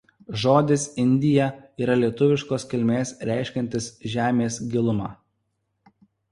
Žodis "indija" yra lietuviškos kilmės reiškiantis žemės gilumą.